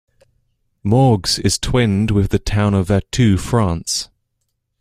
Morges is twinned with the town of Vertou, France.